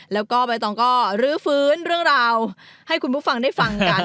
แล้วก็ใบตองก็รื้อฟื้นเรื่องราวให้คุณผู้ฟังได้ฟังกัน